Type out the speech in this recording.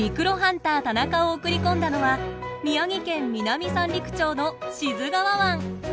★タナカを送り込んだのは宮城県南三陸町の志津川湾。